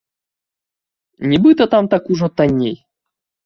Нібыта там так ужо танней?